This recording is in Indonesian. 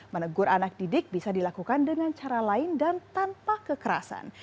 menegur anak didik bisa dilakukan dengan cara lain dan tanpa kekerasan